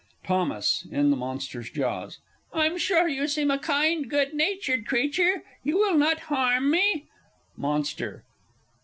_ Thos. (in the Monster's jaws). I'm sure you seem a kind, good natured creature You will not harm me? _Monster.